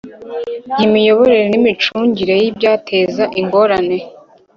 y imiyoborere n imicungire y ibyateza ingorane